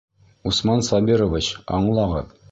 Усман Сабирович, аңлағыҙ.